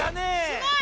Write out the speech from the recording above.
すごい！